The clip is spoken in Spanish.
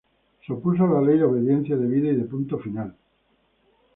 Se opuso a la ley de obediencia debida y de punto final.